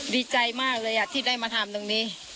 ดีใจมากเลยที่ได้มาทำตรงนี้